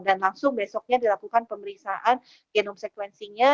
dan langsung besoknya dilakukan pemeriksaan genom sekresinya